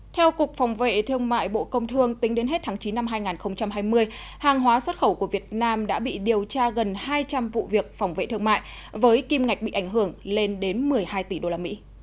theo cục phòng vệ thương mại bộ công thương tính đến hết tháng chín năm hai nghìn hai mươi hàng hóa xuất khẩu của việt nam đã bị điều tra gần hai trăm linh vụ việc phòng vệ thương mại với kim ngạch bị ảnh hưởng lên đến một mươi hai tỷ usd